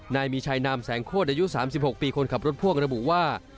นายมีชัยนามแสงโคตรอายุ๓๖ปีคนขับรถพ่วงระบุว่า